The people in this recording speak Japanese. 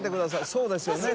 そうですよね